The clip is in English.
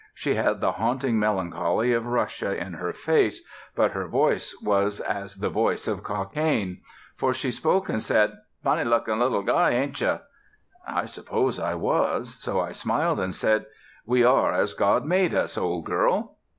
She had the haunting melancholy of Russia in her face, but her voice was as the voice of Cockaigne. For she spoke and said: "Funny looking little guy, ain't you?" I suppose I was. So I smiled and said: "We are as God made us, old girl."